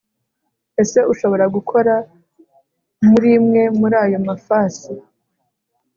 ese ushobora gukora muri imwe muri ayo mafasi